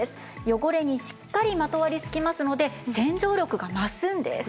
汚れにしっかりまとわりつきますので洗浄力が増すんです。